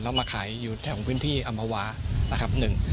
แล้วมาขายอยู่แถวพื้นที่อำมวานะครับ